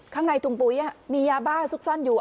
ข้างในถุงปุ๋ยมียาบ้าซุกซ่อนอยู่